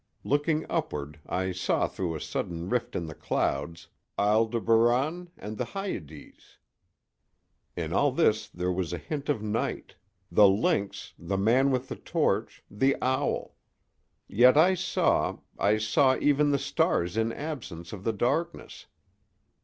Looking upward, I saw through a sudden rift in the clouds Aldebaran and the Hyades! In all this there was a hint of night—the lynx, the man with the torch, the owl. Yet I saw—I saw even the stars in absence of the darkness.